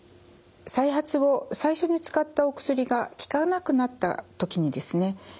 再発を最初に使ったお薬が効かなくなった時にですね